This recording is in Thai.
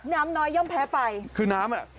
น้ำน้อยย่อมแพ้ไฟ